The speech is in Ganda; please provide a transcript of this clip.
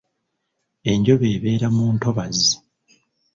Enjobe ebeera mu ntobazzi.